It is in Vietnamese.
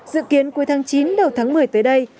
dự kiến cuối tháng chín đầu tháng một mươi tới đây